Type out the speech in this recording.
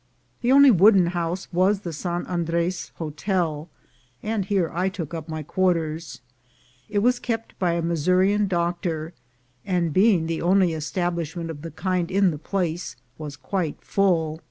The only wooden house was the San Andres Hotel, and here I took up my quarters. It was kept by a Missourian doctor, and being the only establishment of the kind in the place, was quite full.